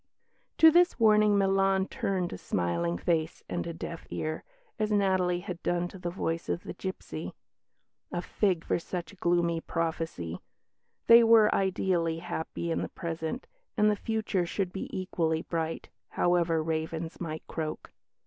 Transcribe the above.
To this warning Milan turned a smiling face and a deaf ear, as Natalie had done to the voice of the gipsy. A fig for such gloomy prophecy! They were ideally happy in the present, and the future should be equally bright, however ravens might croak.